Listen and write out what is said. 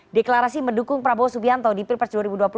deklarasi mendukung prabowo subianto di pilpres dua ribu dua puluh empat